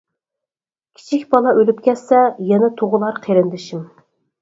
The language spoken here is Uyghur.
كىچىك بالا ئۆلۈپ كەتسە يەنە تۇغۇلار قېرىندىشىم!